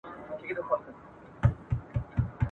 که نن نه وي جانانه سبا کلي ته درځمه ..